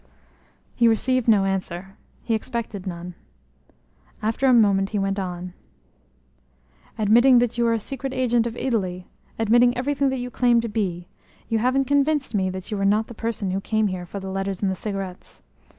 He received no answer; he expected none. After a moment he went on: "Admitting that you are a secret agent of Italy, admitting everything that you claim to be, you haven't convinced me that you are not the person who came here for the letters and cigarettes.